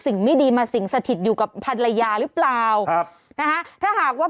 สิ่งไม่ดีมาสิ่งสถิตอยู่กับภรรยาหรือเปล่าครับนะฮะถ้าหากว่า